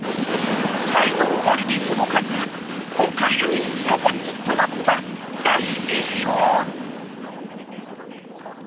才能アリに届かず今回唯一の凡人となった怖っ。